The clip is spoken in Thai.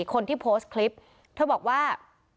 คนที่โพสต์คลิปเธอบอกว่า